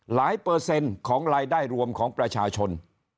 เปอร์เซ็นต์ของรายได้รวมของประชาชน